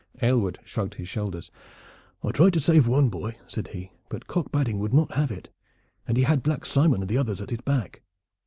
Aylward shrugged his shoulders. "I tried to save one boy," said he; "but Cock Badding would not have it, and he had Black Simon and the others at his back.